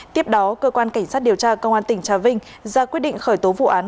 tiếp đó cơ quan cảnh sát điều tra công an tỉnh trà vinh ra quyết định khởi tố vụ án